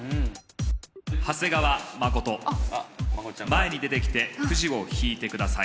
長谷川慎前に出てきてくじを引いてください。